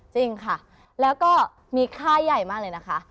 จริงค่ะแล้วก็มีค่าใหญ่มากเลยนะคะ